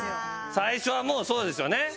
最初はもうそうですよね。